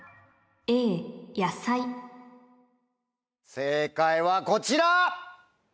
正解はこちら！